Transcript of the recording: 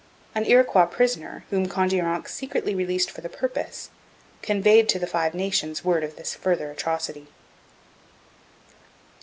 An Iroquois prisoner, whom Kondiaronk secretly released for the purpose, conveyed to the Five Nations word of this further atrocity.